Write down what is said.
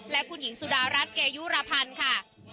และหญิงสุดาวฯเกยุหรพันธุ์ค่ะ